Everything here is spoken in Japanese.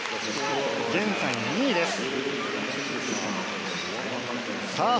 現在、２位です。